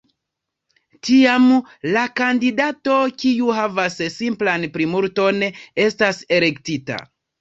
Tiam, la kandidato kiu havas simplan plimulton estas elektita.